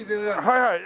はいはい。